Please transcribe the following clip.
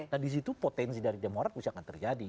nah disitu potensi dari demokrat masih akan terjadi